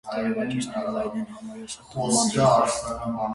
Տերևակիցները լայն են, համարյա սրտանման հիմքով։